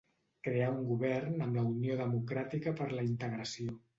Creà un govern amb la Unió Democràtica per la Integració.